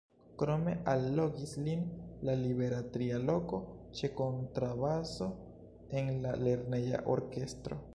Krome allogis lin la libera tria loko ĉe kontrabaso en la lerneja orkestro.